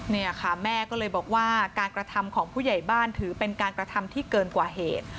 เนี่ยค่ะแม่ก็เลยบอกว่าการกระทำของผู้ใหญ่บ้านถือเป็นการกระทำที่เกินกว่าเหตุ